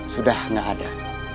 sudah gak ada